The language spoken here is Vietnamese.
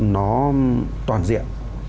nó toàn diện